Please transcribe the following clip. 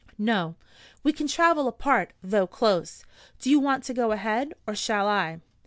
"No. We can travel apart, though close. Do you want to go ahead, or shall I?"